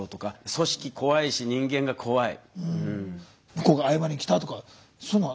向こうが謝りにきたとかそういうのは？